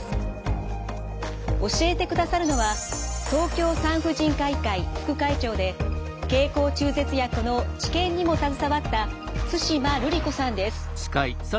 教えてくださるのは東京産婦人科医会副会長で経口中絶薬の治験にも携わった対馬ルリ子さんです。